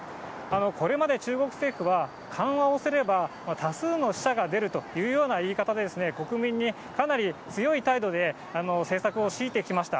これまで中国政府は、緩和をすれば、多数の死者が出るというような言い方で、国民にかなり強い態度で政策を強いてきました。